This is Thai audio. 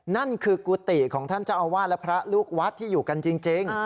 นั่นคือกุฏิของท่านเจ้าอาวาสและพระลูกวัดที่อยู่กันจริง